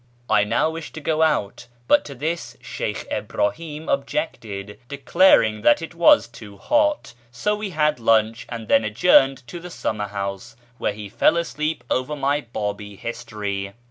I now wished to go out, but to this Sheykh Ibrahim objected, declaring that it was too hot ; so we had lunch, and then adjourned to the summer house, where he fell asleep over my Biibi history.